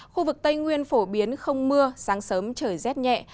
khu vực tây nguyên phổ biến không mưa sáng sớm trời rét nhẹ